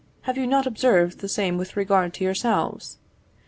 Have you not observed the same with regard to yourselves?